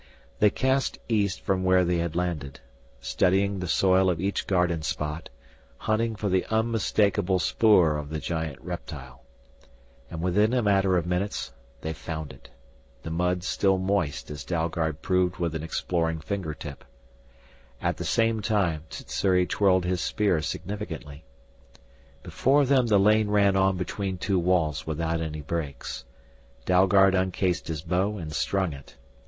They cast east from where they had landed, studying the soil of each garden spot, hunting for the unmistakable spoor of the giant reptile. And within a matter of minutes they found it, the mud still moist as Dalgard proved with an exploring fingertip. At the same time Sssuri twirled his spear significantly. Before them the lane ran on between two walls without any breaks. Dalgard uncased his bow and strung it.